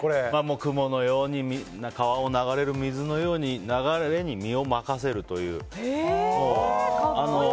雲のように川を流れる水のように流れに身を任せるという。